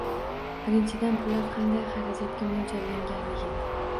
Birinchidan – pullar qanday xarajatlarga mo‘ljallanganligi